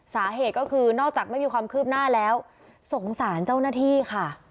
สาเหตุก็คือนอกจากไม่มีความคืบหน้าแล้วสงสารเจ้าหน้าที่ค่ะ